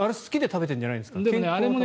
あれ、好きで食べてるんじゃないんですか？